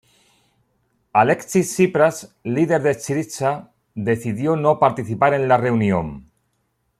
Alexis Tsipras, líder de Syriza, decidió no participar en la reunión.